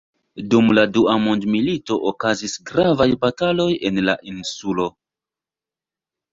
Dum la Dua Mondmilito okazis gravaj bataloj en la insulo.